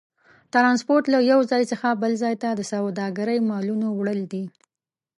ترانسپورت له یو ځای څخه بل ځای ته د سوداګرۍ مالونو وړل دي.